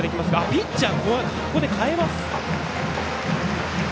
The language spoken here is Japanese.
ピッチャー、ここで代えます。